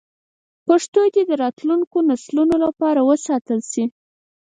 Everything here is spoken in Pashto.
پښتو دې د راتلونکو نسلونو لپاره وساتل شي.